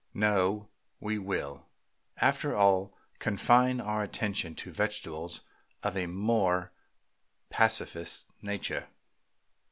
No, we will, after all, confine our attention to vegetables of a more pacific nature.